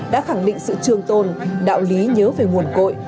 đã khẳng định sự trường tồn đạo lý nhớ về nguồn cội